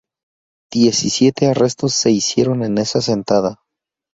Diecisiete arrestos se hicieron en esa sentada.